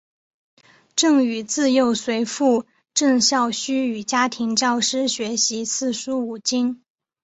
郑禹自幼随父郑孝胥与家庭教师学习四书五经。